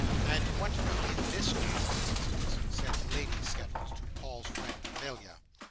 "And what room is this now, for instance?" said Lady Skettles to Paul's friend, "Melia.